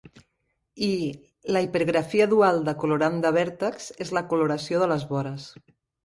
I, la hipergrafia dual de colorant de vèrtex és la coloració de les vores.